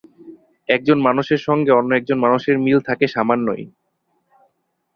একজন মানুষের সঙ্গে অন্য একজন মানুষের মিল থাকে সামান্যই।